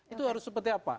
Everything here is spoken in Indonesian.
itu harus seperti apa